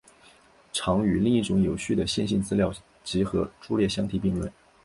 常与另一种有序的线性资料集合伫列相提并论。